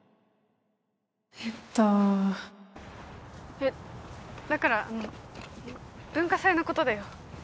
えっとえっだから文化祭のことだよ